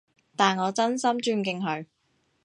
但我真心尊敬佢